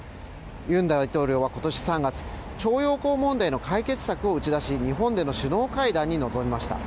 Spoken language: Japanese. ユン大統領は今年３月、徴用工問題の解決策を打ち出し、日本での首脳会談に臨みました。